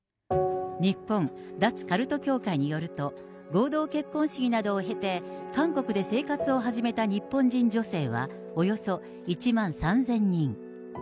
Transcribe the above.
日本脱カルト協会によると合同結婚式などを経て、韓国で生活を始めた日本人女性はおよそ１万３０００人。